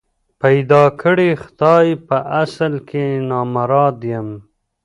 پيدا کړی خدای په اصل کي نامراد یم